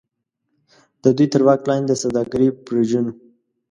د دوی تر واک لاندې د سوداګرۍ برجونو.